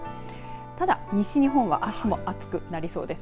ただ、西日本はあすも暑くなりそうです。